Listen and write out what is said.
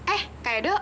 eh kak edo